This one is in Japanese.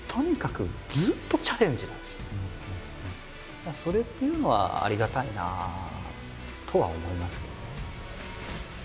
だけどそれっていうのはありがたいなとは思いますけどね。